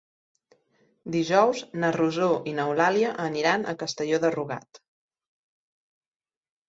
Dijous na Rosó i n'Eulàlia aniran a Castelló de Rugat.